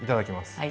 はい。